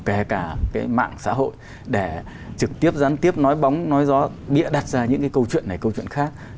kể cả cái mạng xã hội để trực tiếp gián tiếp nói bóng nói gió đĩa đặt ra những cái câu chuyện này câu chuyện khác